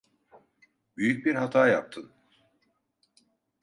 Büyük bir hata yaptın.